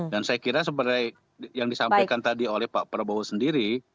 dan saya kira seperti yang disampaikan tadi oleh pak prabowo sendiri